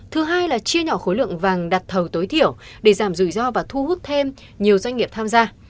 thứ hai là chia nhỏ khối lượng vàng đặt thầu tối thiểu để giảm rủi ro và thu hút thêm nhiều doanh nghiệp tham gia